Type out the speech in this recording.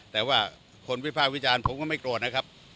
แต่ว่าคนวิภาควิจารณ์ผมก็ไม่โกรธนะครับ